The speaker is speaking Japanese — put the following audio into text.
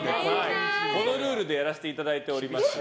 このルールでやらせていただいております。